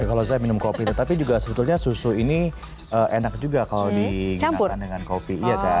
ya kalau saya minum kopi tapi juga sebetulnya susu ini enak juga kalau di campur dengan kopi